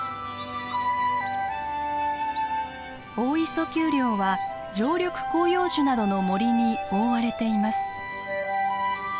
大磯丘陵は常緑広葉樹などの森に覆われています。